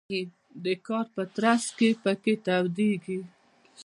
د کار په ترڅ کې د پکې تودیږي.